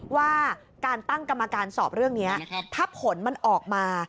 ว่าการตั้งกรรมการสอบเรื่องนี้ถ้าผลมันออกมา